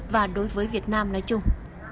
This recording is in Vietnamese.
và đối với việt nam nói chung